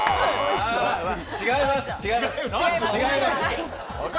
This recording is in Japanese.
違います。